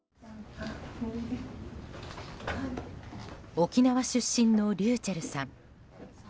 沖縄出身のｒｙｕｃｈｅｌｌさん。